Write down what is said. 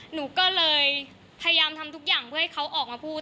หนูก็เลยพยายามทำทุกอย่างเพื่อให้เขาออกมาพูด